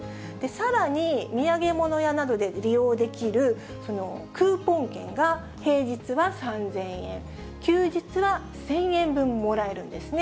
さらに、土産物屋などで利用できるクーポン券が、平日は３０００円、休日は１０００円分もらえるんですね。